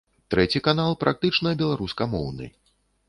Трэці канал практычна беларускамоўны.